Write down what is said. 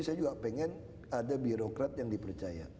saya juga pengen ada birokrat yang dipercaya